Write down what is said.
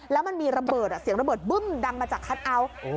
แล้วมันมีระเบิดเสียงระเบิดบึ้มดังมาจากคัทเอาท์